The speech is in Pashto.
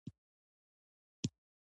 منم چې ته د حسن د رنګونو باډيوه يې